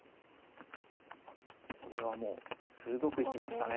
これはもう鋭く行きましたね。